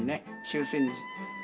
終戦時。